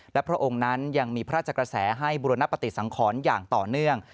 และพระองค์นั้นยังมีพระราชกระแสให้บุรณปฏิสังขรอย่างต่อเนื่อง